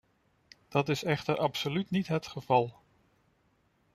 Dat is echter absoluut niet het geval.